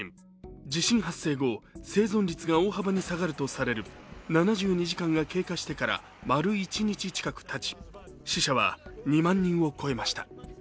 地震発生後、生存率が大幅に下がるとされる７２時間が経過してから丸１日近くがたち死者は２万人を超えました。